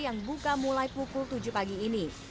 yang buka mulai pukul tujuh pagi ini